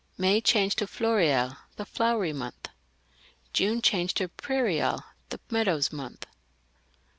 413 May, changed to Floreal, the flowery month. June „„ Prairial, the meadows month.